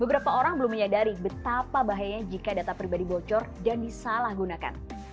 beberapa orang belum menyadari betapa bahayanya jika data pribadi bocor dan disalahgunakan